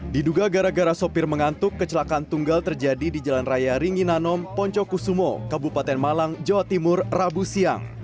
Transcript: diduga gara gara sopir mengantuk kecelakaan tunggal terjadi di jalan raya ringinanom poncokusumo kabupaten malang jawa timur rabu siang